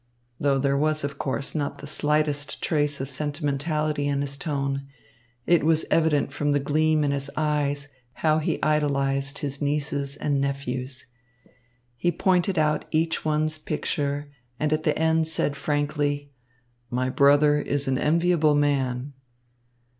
Though there was, of course, not the slightest trace of sentimentality in his tone, it was evident from the gleam in his eyes how he idolised his nieces and nephews. He pointed out each one's picture and at the end said frankly, "My brother is an enviable man."